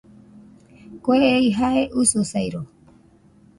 Kue ei jae ususairo